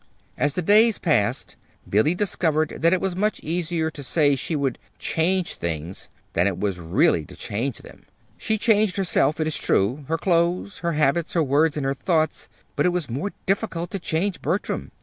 As the days passed Billy discovered that it was much easier to say she would "change things" than it was really to change them. She changed herself, it is true her clothes, her habits, her words, and her thoughts; but it was more difficult to change Bertram.